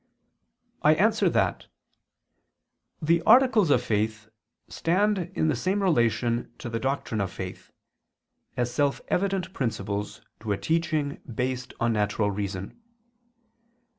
I answer that, The articles of faith stand in the same relation to the doctrine of faith, as self evident principles to a teaching based on natural reason.